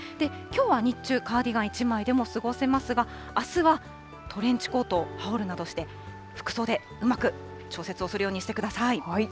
きょうは日中、カーディガン１枚でも過ごせますが、あすはトレンチコートを羽織るなどして、服装でうまく調節をするようにしてください。